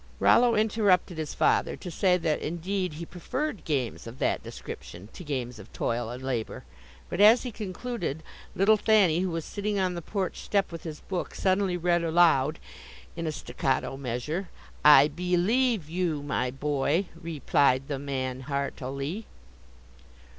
Rollo interrupted his father to say that indeed he preferred games of that description to games of toil and labor, but as he concluded, little Thanny, who was sitting on the porch step with his book, suddenly read aloud, in a staccato measure. "I be lieve you my boy, re plied the man heart i ly."